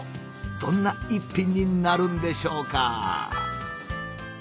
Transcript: どんな一品になるんでしょうか？